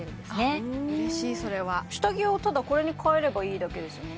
あっ嬉しいそれは下着をただこれに替えればいいだけですもんね